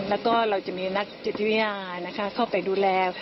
แล้วก็เราจะมีนักเจ็บที่วิญญาณเข้าไปดูแล